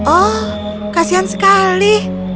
oh kasihan sekali